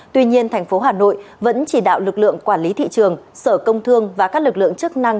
tuy nhiên thành phố hà nội vẫn chỉ đạo lực lượng quản lý thị trường sở công thương và các lực lượng chức năng